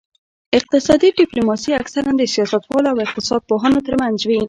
اقتصادي ډیپلوماسي اکثراً د سیاستوالو او اقتصاد پوهانو ترمنځ وي